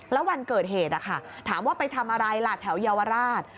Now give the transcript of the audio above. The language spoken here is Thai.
แล้ววันเกิดเหตุถามว่าไปทำอะไรล่ะแถวเยาวราช